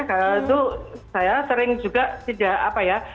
karena itu saya sering juga tidak apa ya